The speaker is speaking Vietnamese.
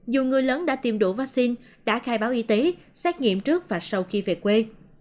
dù người lớn đã tìm đủ vaccine đã khai báo y tế xét nghiệm trước và sau khi về quê